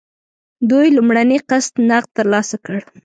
دوی لومړنی قسط نغد ترلاسه کړ.